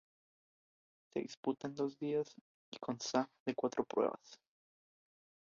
Se disputa en dos días y consta de cuatro pruebas.